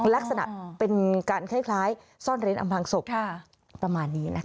ลักษณะเป็นการคล้ายซ่อนเร้นอำพังศพประมาณนี้นะคะ